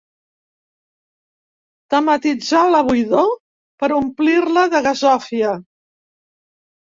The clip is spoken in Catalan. Tematitzar la buidor per omplir-la de gasòfia.